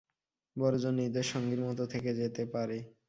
বড় জোড় নির্দোষ সঙ্গীর মত থেকে যেতে পারে।